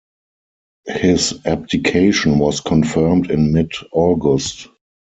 His abdication was confirmed in mid-August.